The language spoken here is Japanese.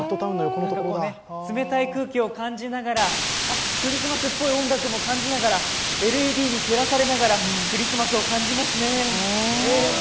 冷たい空気を感じながら、クリスマスっぽい音楽も感じながら、ＬＥＤに照らされながらクリスマスを感じますね。